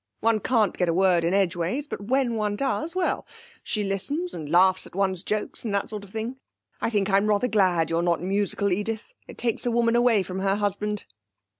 One can't get in a word edgeways, but when one does well, she listens, and laughs at one's jokes, and that sort of thing. I think I'm rather glad you're not musical, Edith, it takes a woman away from her husband.'